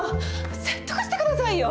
説得してくださいよ！